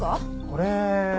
これ。